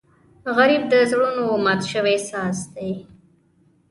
غریب د زړونو مات شوی ساز دی